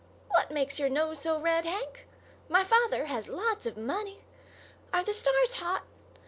What makes your nose so red, Hank? My father has lots of money. Are the stars hot?